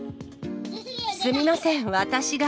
すみません、私が。